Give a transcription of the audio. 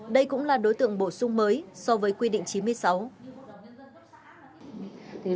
đây cũng là đối tượng bổ sung mới so với quy định chín mươi sáu